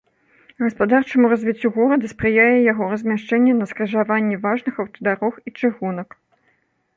Гаспадарчаму развіццю горада спрыяе яго размяшчэнне на скрыжаванні важных аўтадарог і чыгунак.